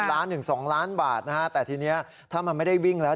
ล้านหนึ่ง๒ล้านบาทนะฮะแต่ทีนี้ถ้ามันไม่ได้วิ่งแล้ว